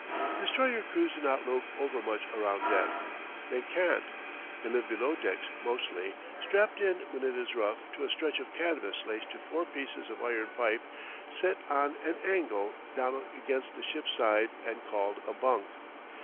Destroyer crews do not loaf overmuch around deck. They can't. They live below decks mostly, strapped in when it is rough to a stretch of canvas laced to four pieces of iron pipe, set on an angle down against the ship's sides, and called a bunk.